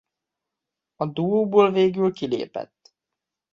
A duóból végül kilépett.